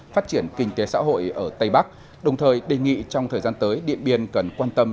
phát triển kinh tế xã hội ở tây bắc đồng thời đề nghị trong thời gian tới điện biên cần quan tâm